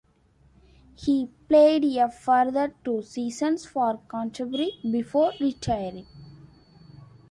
He played a further two seasons for Canterbury before retiring.